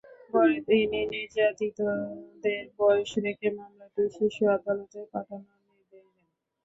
পরে তিনি নির্যাতিতদের বয়স দেখে মামলাটি শিশু আদালতে পাঠানোর নির্দেশ দেন।